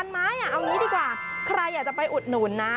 อันนี้ดีกว่าใครอยากจะไปอดหน่วนนะ